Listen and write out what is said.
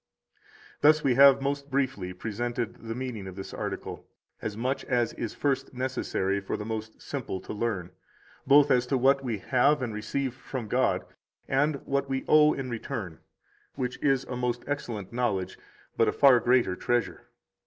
24 Thus we have most briefly presented the meaning of this article, as much as is at first necessary for the most simple to learn, both as to what we have and receive from God, and what we owe in return, which is a most excellent knowledge, but a far greater treasure.